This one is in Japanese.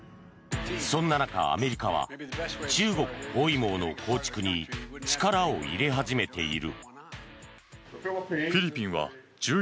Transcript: そんな中、アメリカは中国包囲網の構築に力を入れ始めている。